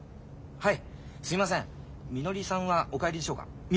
はい。